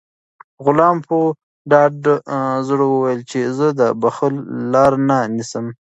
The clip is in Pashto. غلام په ډاډه زړه وویل چې زه د بخل لاره نه نیسم.